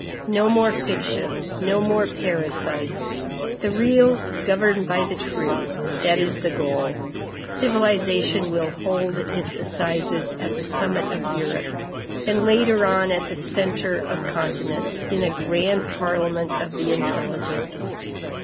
No more fictions; no more parasites. The real governed by the true, that is the goal. Civilization will hold its assizes at the summit of Europe, and, later on, at the centre of continents, in a grand parliament of the intelligence.